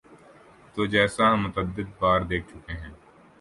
تو جیسا ہم متعدد بار دیکھ چکے ہیں۔